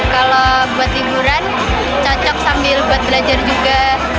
kalau buat liburan cocok sambil belajar juga